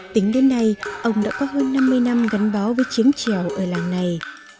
tính đến nay ông đã có hơn năm mươi năm gắn bó với chiếng trèo ở làng này